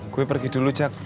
gue pergi dulu cak